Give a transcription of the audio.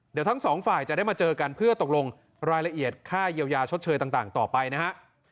เดี๋ยวทั้งสองฝ่ายจะได้มาเจอกันเพื่อตกลงรายละเอียดค่าเยียวยาชดเชยต่างต่อไปนะฮะ